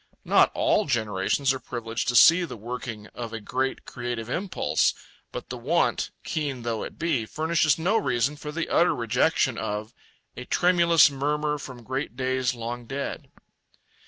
Not all generations are privileged to see the working of a great creative impulse, but the want, keen though it be, furnishes no reason for the utter rejection of A tremulous murmur from great days long dead.